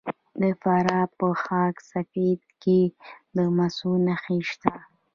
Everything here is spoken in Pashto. د فراه په خاک سفید کې د مسو نښې شته.